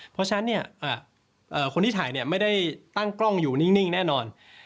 เพราะฉะนั้นคนที่ถ่ายไม่ได้ตั้งกล้องอยู่นิ่งแน่นอน